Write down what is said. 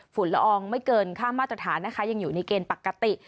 ละอองไม่เกินค่ามาตรฐานนะคะยังอยู่ในเกณฑ์ปกติ